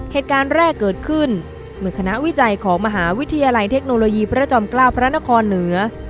เหตุการณ์แรกเกิดขึ้นเมื่อคณะวิจัยของมหาวิทยาลัยเทคโนโลยีพระจอมเกล้าพระนครเหนือ